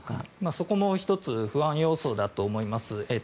そこも１つ不安要素だと思います。